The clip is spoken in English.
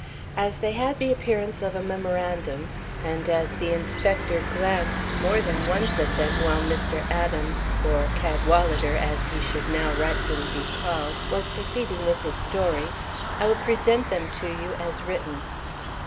As they had the appearance of a memorandum, and as the inspector glanced more than once at them while Mr. Adams (or Cadwalader, as he should now rightfully be called) was proceeding with his story, I will present them to you as written.